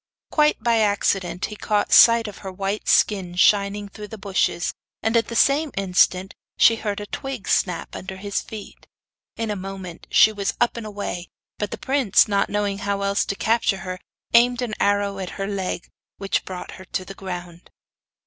Quite by accident he caught sight of her white skin shining through the bushes, and at the same instant she heard a twig snap under his feet. In a moment she was up and away, but the prince, not knowing how else to capture her, aimed an arrow at her leg, which brought her to the ground.